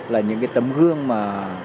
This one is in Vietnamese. là những cái tấm gương mà